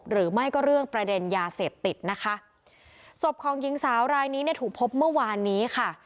หรือไม่ก็เรื่องประเด็นยาเสพติดนะคะศพของหญิงสาวรายนี้เนี่ยถูกพบเมื่อวานนี้ค่ะ